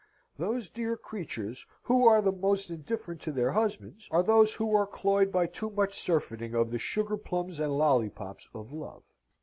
Those dear creatures who are the most indifferent to their husbands, are those who are cloyed by too much surfeiting of the sugar plums and lollipops of Love.